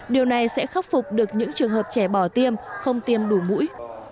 điều này sẽ khắc phục được những trường hợp trẻ bỏ tiêm không tiêm đủ mũi